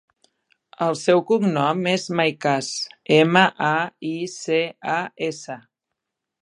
El seu cognom és Maicas: ema, a, i, ce, a, essa.